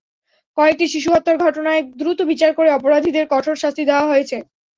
কয়েকটি শিশু হত্যার ঘটনায় দ্রুত বিচার করে অপরাধীদের কঠোর শাস্তি দেওয়া হয়েছে।